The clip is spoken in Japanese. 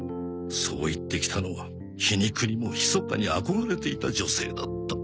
そう言ってきたのは皮肉にもひそかに憧れていた女性だった。